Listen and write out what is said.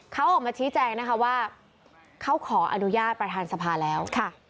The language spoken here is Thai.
เขาออกมาชี้แจงนะคะว่าเขาขออนุญาตประธานสภาแล้ว